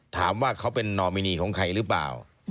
ถามว่าเขาเป็นนอมินีของใครหรือเปล่า